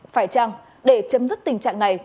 phải chăng để chấm dứt tình trạng này